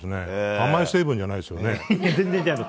甘い成分じゃないですよね？